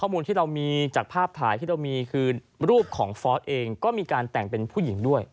มีการแต่งเป็นผู้หญิงด้วย